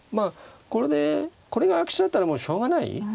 これでこれが悪手だったらもうしょうがない。